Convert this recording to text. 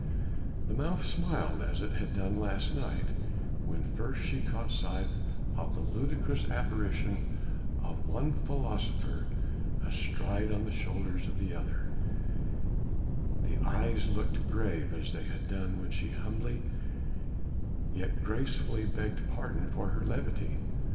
The mouth smiled as it had done last night when first she caught sight of the ludicrous apparition of one philosopher astride on the shoulders of the other, the eyes looked grave as they had done when she humbly, yet gracefully begged pardon for her levity.